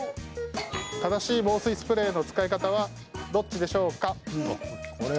正しい防水スプレーの使い方はどっちでしょうか？